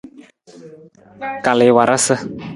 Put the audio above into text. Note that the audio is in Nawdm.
Kal i warasa.